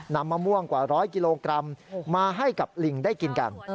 มะม่วงกว่าร้อยกิโลกรัมมาให้กับลิงได้กินกัน